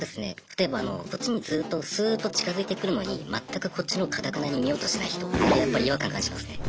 例えばあのこっちにずっとスーッと近づいてくるのに全くこっちのほう頑なに見ようとしない人やっぱり違和感感じますね。